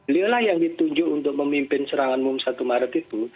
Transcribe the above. lila yang ditunjuk untuk memimpin serangan satu maret itu